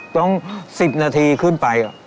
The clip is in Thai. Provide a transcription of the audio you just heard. ต้อง๑๐นาทีขึ้นไป